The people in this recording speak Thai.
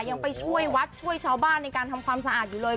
ยังไปช่วยวัดช่วยชาวบ้านในการทำความสะอาดอยู่เลย